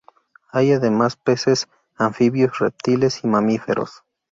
Hay además peces, anfibios, reptiles y mamíferos.